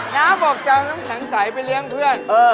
น้าบอกจะเอาน้ำแข็งใสไปเลี้ยงเพื่อน